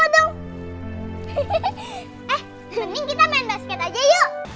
eh lending kita main basket aja yuk